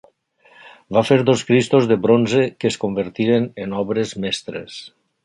Va fer dos Cristos de bronze que es convertiren en obres mestres.